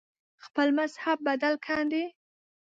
خپل مذهب بدل کاندي